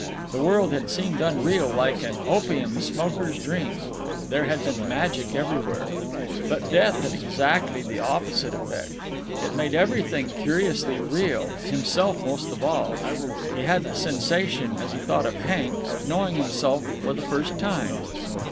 The world had seemed unreal, like an opium smoker's dream. There had been magic everywhere. But death had exactly the opposite effect. It made everything curiously real—himself most of all. He had the sensation, as he thought of Hank, of knowing himself for the first time.